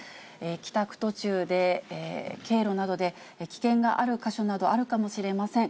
帰宅途中で、経路などで、危険がある箇所などあるかもしれません。